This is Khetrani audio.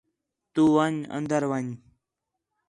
تُو ون٘ڄ اندر ون٘ڄ